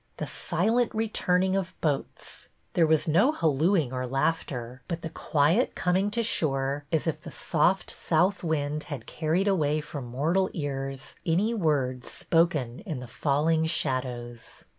The silent returning of boats ! There was no hallooing or laughter, but the quiet coming to shore as if the soft south wind had carried away from mortal ears any words spoken in the falling shadows.